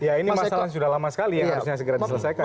ya ini masalah sudah lama sekali yang harusnya segera diselesaikan